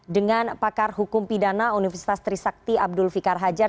dengan pakar hukum pidana universitas trisakti abdul fikar hajar